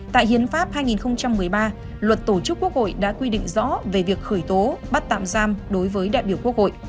tại hiến pháp hai nghìn một mươi ba luật tổ chức quốc hội đã quy định rõ về việc khởi tố bắt tạm giam đối với đại biểu quốc hội